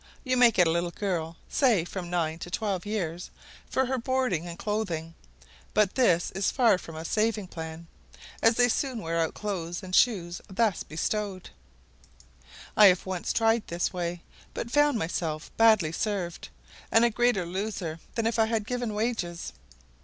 You may get a little girl, say from nine to twelve years, for her board and clothing; but this is far from a saving plan, as they soon wear out clothes and shoes thus bestowed. I have once tried this way, but found myself badly served, and a greater loser than if I had given wages.